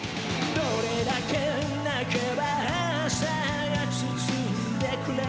「どれだけ泣けば朝が包んでくれる」